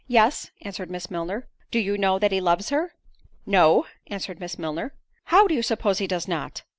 "Yes," answered Miss Milner. "Do you know that he loves her?" "No," answered Miss Milner. "How! do you suppose he does not?"